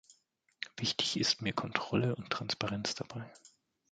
Wichtig ist mir Kontrolle und Transparenz dabei.